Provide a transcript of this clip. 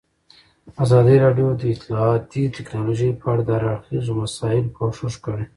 ازادي راډیو د اطلاعاتی تکنالوژي په اړه د هر اړخیزو مسایلو پوښښ کړی.